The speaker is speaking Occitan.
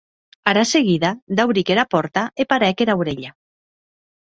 Ara seguida dauric era pòrta e parèc era aurelha.